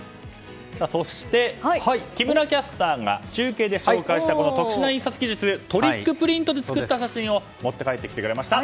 そして、木村キャスターが中継で紹介した特殊な印刷技術トリックプリントで作った写真を持って帰ってきてくれました。